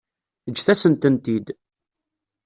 Ǧǧet-asen-tent-id.